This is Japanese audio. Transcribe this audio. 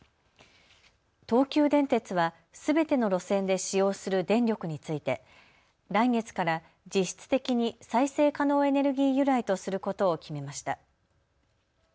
東急電鉄はすべての路線で使用する電力について来月から実質的に再生可能エネルギー由来とすることを決めました。